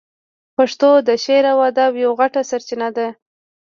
پښتو د شعر او ادب یوه غټه سرچینه ده.